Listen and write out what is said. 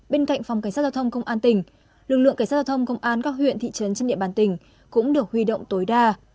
bên cạnh phòng cảnh sát giao thông công an tỉnh lực lượng cảnh sát giao thông công an các huyện thị trấn trên địa bàn tỉnh cũng được huy động tối đa